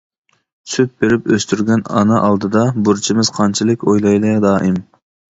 سۈت بېرىپ ئۆستۈرگەن ئانا ئالدىدا، بۇرچىمىز قانچىلىك ئويلايلى دائىم.